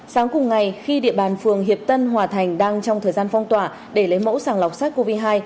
sáng cùng ngày khi địa bàn phường hiệp tân hòa thành đang trong thời gian phong tỏa để lấy mẫu sàng lọc sát covid một mươi chín